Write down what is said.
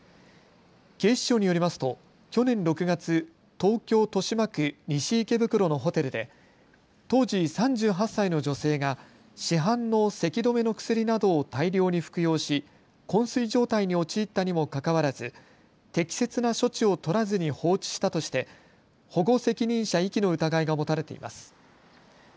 警視庁によりますと去年６月、東京豊島区西池袋のホテルで当時３８歳の女性が市販のせき止めの薬などを大量に服用し、こん睡状態に陥ったにもかかわらず適切な処置を取らずに放置したとして保護責任者遺棄の疑いが持たれています。